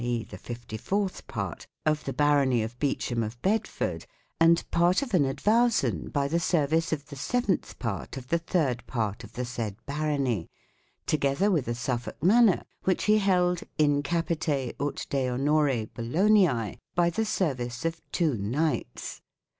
e. the fifty fourth part) of the barony of Beau champ of Bedford and part of an advowson by the ser vice of the seventh part of the third part of the said barony, together with a Suffolk manor which he held " in capite ut de honore Boloniae," by the service of two knights.